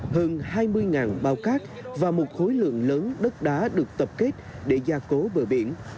hơn hai mươi bao cát và một khối lượng lớn đất đá được tập kết để gia cố bờ biển